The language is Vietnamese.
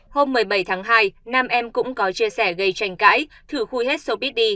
hôm một mươi bảy tháng hai nam em cũng có chia sẻ gây tranh cãi thử khui hết xô bít đi